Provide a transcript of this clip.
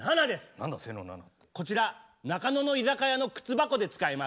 こちら中野の居酒屋の靴箱で使えます。